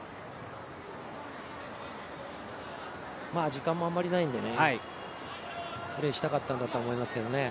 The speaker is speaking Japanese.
時間もあんまりないんでプレーしたかったんだと思いますけどね。